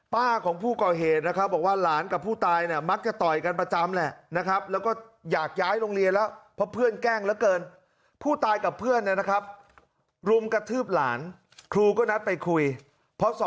ป้าของผู้ก่อเหตุนะครับบอกว่าหลานกับผู้ตายเนี่ยมักจะต่อยกันประจำแหละนะครับ